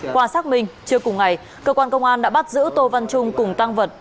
qua xác minh trưa cùng ngày cơ quan công an đã bắt giữ tô văn trung cùng tăng vật